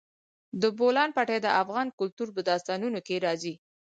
د بولان پټي د افغان کلتور په داستانونو کې راځي.